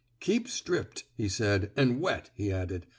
Keep stripped,'' he said. An' wet," he added.